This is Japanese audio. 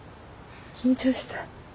緊張した。